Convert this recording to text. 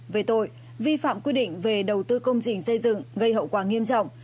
về tội vi phạm quy định về đầu tư công trình xây dựng gây hậu quả nghiêm trọng